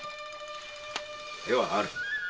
手はある